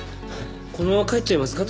このまま帰っちゃいますか？